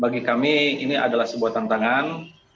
bagi kami ini adalah sebuah tantangan